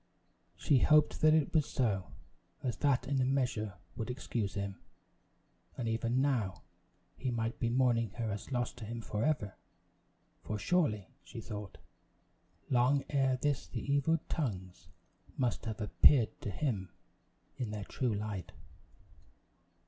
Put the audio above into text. She hoped that it was so, as that in a measure would excuse him; and even now, he might be mourning her as lost to him forever! For surely, she thought, long ere this the evil tongues must have appeared to him in their true light.